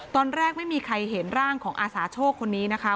ตอนแรกไม่มีใครเห็นร่างของอาสาโชคคนนี้นะคะ